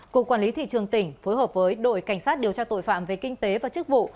cục quản lý thị trường tỉnh phối hợp với đội cảnh sát điều tra tội phạm về kinh tế và chức vụ